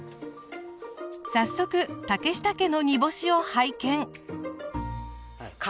早速竹下家の煮干しを拝見。